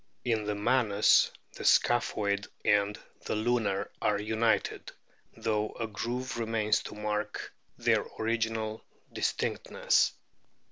In the manus the scaphoid and the lunar are united, though a groove remains to mark their original dis tinctness.